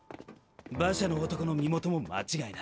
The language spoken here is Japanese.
馬車の男の身元も間違いない。